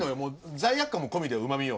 罪悪感も込みでうまみよ。